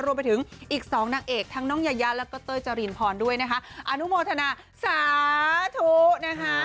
รวมไปถึงอีกสองนางเอกทั้งน้องยายาแล้วก็เต้ยจรินพรด้วยนะคะอนุโมทนาสาธุนะคะ